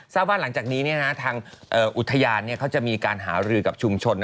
ว่าหลังจากนี้ทางอุทยานเขาจะมีการหารือกับชุมชน